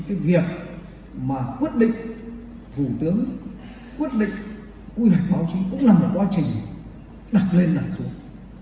cái việc mà quyết định thủ tướng quyết định quy hoạch báo chí cũng là một quá trình đặt lên đặt xuống